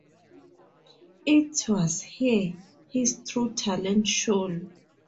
It was here his true talent shone.